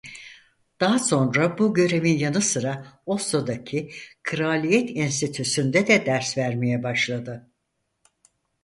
Daha sonra bu görevin yanı sıra Oslo'daki Kraliyet Enstitüsü'nde de ders vermeye başladı.